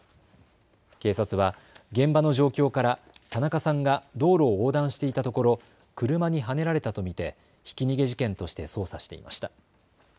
警察は現場の状況から田中さんが道路を横断していたところ車にはねられたと見てひき逃げ事件として捜査していました。